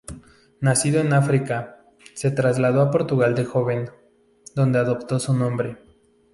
Nacido en África, se trasladó a Portugal de joven, donde adoptó su nombre.